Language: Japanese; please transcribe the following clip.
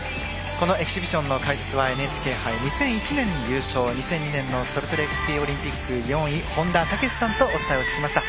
このエキシビションの解説はＮＨＫ杯２００１年優勝２００２年のソルトレークシティーオリンピック４位本田武史さんとお伝えしてまいりました。